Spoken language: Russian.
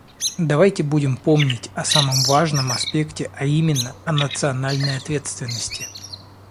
Давайте будем помнить о самом важном аспекте, а именно: о национальной ответственности.